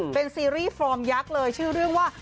เป็นซีรีส์ฟอร์มยักษ์เลยชื่อเรื่องว่า